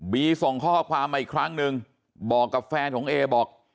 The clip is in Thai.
ส่งข้อความมาอีกครั้งหนึ่งบอกกับแฟนของเอบอก